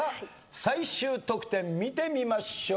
最終得点見てみましょう。